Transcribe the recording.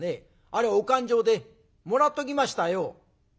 あれはお勘定でもらっときましたよ」。